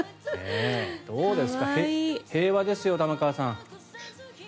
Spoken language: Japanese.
どうですか平和ですよ玉川さん。